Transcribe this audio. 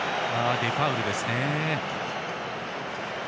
デパウルですね。